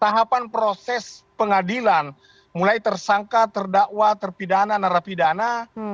tahapan proses pengadilan mulai tersangka terdakwa terpidana narapidana